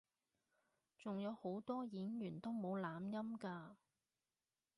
仲有好多演員都冇懶音㗎